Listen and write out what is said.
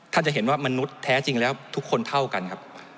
จะเห็นว่ามนุษย์แท้จริงแล้วทุกคนเท่ากันครับ